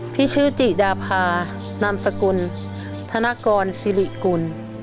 ชื่อจิดาพานามสกุลธนกรสิริกุล